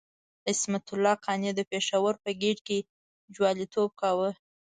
عصمت قانع د پېښور په ګېټ کې جواليتوب کاوه.